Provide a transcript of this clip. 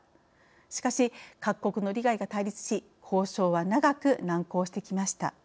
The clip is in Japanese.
しかし、各国の利害が対立し交渉は長く、難航してきました。